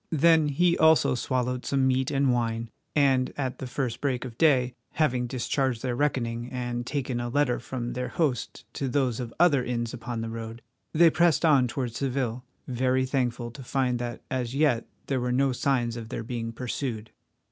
Then he also swallowed some meat and wine, and at the first break of day, having discharged their reckoning and taken a letter from their host to those of other inns upon the road, they pressed on towards Seville, very thankful to find that as yet there were no signs of their being pursued.